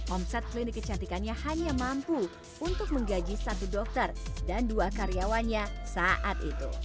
omset klinik kecantikannya hanya mampu untuk menggaji satu dokter dan dua karyawannya saat itu